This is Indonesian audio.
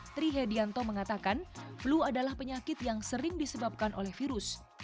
tri hedianto mengatakan flu adalah penyakit yang sering disebabkan oleh virus